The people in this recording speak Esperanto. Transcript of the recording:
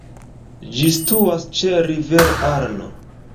Ĝi situas ĉe rivero Arno.